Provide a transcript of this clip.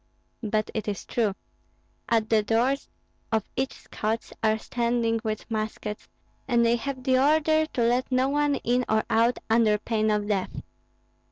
"But it is true. At the doors of each Scots are standing with muskets, and they have the order to let no one in or out under pain of death."